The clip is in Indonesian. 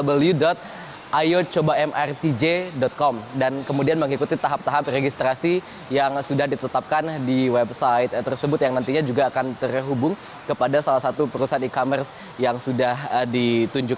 www i ayo coba mrtj com dan kemudian mengikuti tahap tahap registrasi yang sudah ditetapkan di website tersebut yang nantinya juga akan terhubung kepada salah satu perusahaan e commerce yang sudah ditunjuk